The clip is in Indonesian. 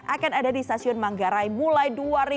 akan ada di stasiun manggarai mulai dua ribu dua puluh